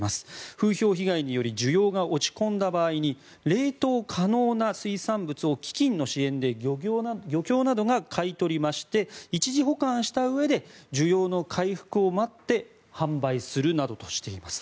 風評被害により需要が落ち込んだ場合に冷凍可能な水産物を基金の支援で漁協などが買い取りまして一時保管したうえで需要の回復を待って販売するなどとしています。